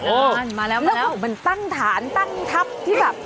โอ้โฮมาแล้วแล้วก็เหมือนตั้งฐานตั้งทัพที่แบบ